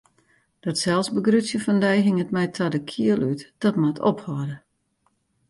Dat selsbegrutsjen fan dy hinget my ta de kiel út, dat moat ophâlde!